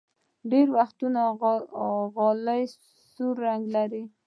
ډېری وخت غالۍ سور رنګ لري.